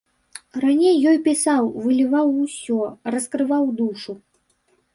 Раней ёй пісаў, выліваў усё, раскрываў душу.